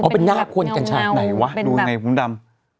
อ๋อเป็นหน้าคนกันใช่ไหนวะดูไงภูมิดำ